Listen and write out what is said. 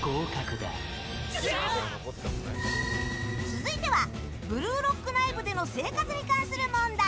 続いてはブルーロック内部での生活に関する問題。